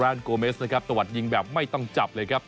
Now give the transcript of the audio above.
โกเมสนะครับตะวัดยิงแบบไม่ต้องจับเลยครับ